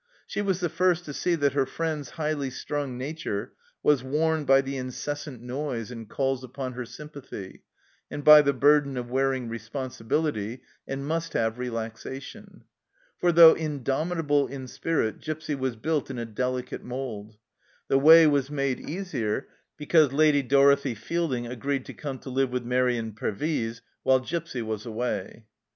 She was the first to see that her friend's highly strung nature was worn by the incessant noise and calls upon her sympathy, and by the burden of wearing responsibility, and must have relaxation. For though indomitable in spirit, Gipsy was built in a delicate mould. The way was made easier because Lady Dorothie Feilding agreed to come to live with Mairi in Pervyse while Gipsy was away.